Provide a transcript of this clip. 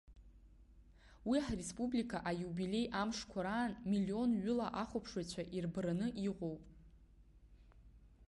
Уи ҳреспублика аиубилеи амшқәа раан миллионҩыла ахәаԥшыҩцәа ирбараны иҟоуп.